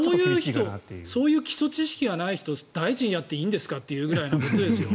そういう基礎知識がない人が大臣やっていいんですかというぐらいですよ。